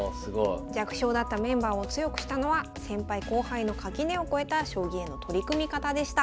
弱小だったメンバーを強くしたのは先輩後輩の垣根を越えた将棋への取り組み方でした。